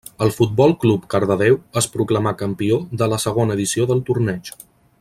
El Futbol Club Cardedeu es proclamà campió de la segona edició del torneig.